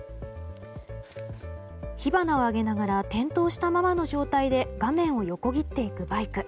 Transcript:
火花を上げながら転倒したままの状態で画面を横切っていくバイク。